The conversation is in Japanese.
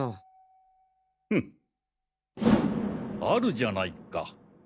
あるじゃないか。